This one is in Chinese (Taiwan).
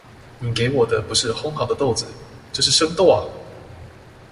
你給我的不是烘好的豆子，這是生豆阿！